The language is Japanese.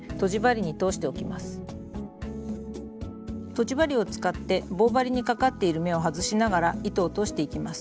とじ針を使って棒針にかかっている目を外しながら糸を通していきます。